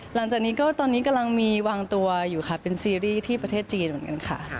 หลังจากนี้ก็ตอนนี้กำลังมีวางตัวอยู่ค่ะเป็นซีรีส์ที่ประเทศจีนเหมือนกันค่ะ